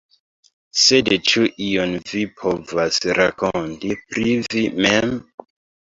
Sed ĉu ion vi povas rakonti pri vi mem?